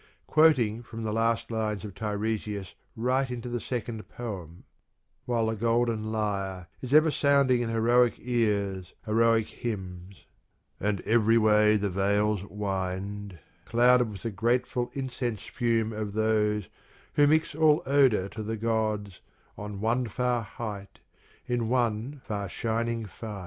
Quoting from the last lines of " Tiresias " right into the second poem while the golden lyre Is ever sounding in heroic ears Heroic hymns, and every way the vales Wind, clouded with the grateful incense fume Of those who mix all odour to the gods On one far height in one far shining fire.